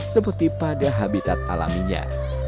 seperti pada habitat alaminya